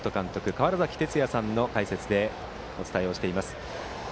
川原崎哲也さんの解説でお伝えしています。